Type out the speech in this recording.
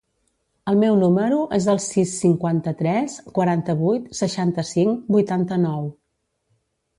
El meu número es el sis, cinquanta-tres, quaranta-vuit, seixanta-cinc, vuitanta-nou.